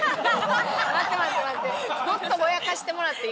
待って待って待って。